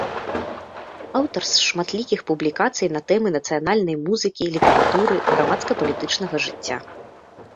Аўтар шматлікіх публікацый на тэмы нацыянальнай музыкі, літаратуры, грамадска-палітычнага жыцця.